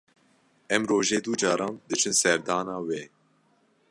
Em rojê du caran diçin serdana wê.